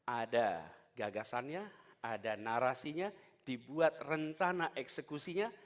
ada gagasannya ada narasinya dibuat rencana eksekusinya